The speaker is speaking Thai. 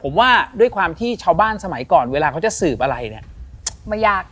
ผมว่าด้วยความที่ชาวบ้านสมัยก่อนเวลาเขาจะสืบอะไรเนี่ยไม่ยาก